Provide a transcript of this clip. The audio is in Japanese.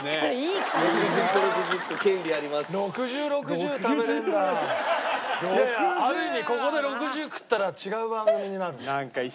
いやいやある意味ここで６０食ったら違う番組になる。